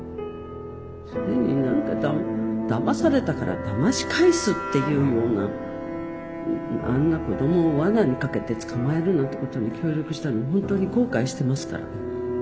それに何かだまされたからだまし返すっていうようなあんな子どもをわなにかけて捕まえるなんてことに協力したの本当に後悔してますから。